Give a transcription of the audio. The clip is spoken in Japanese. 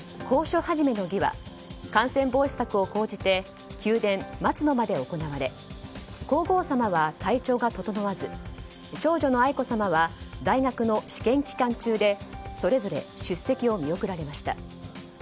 講書始の儀は感染防止策を講じて宮殿松の間で行われ皇后さまは体調が整わず長女の愛子さまは大学の試験期間中でそれぞれ出席を見送られました。